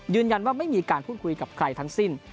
ยืนยันว่าไม่มีการพูดคุยกับใครทั้งสิ้น